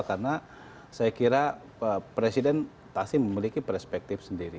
karena saya kira presiden pasti memiliki perspektif sendiri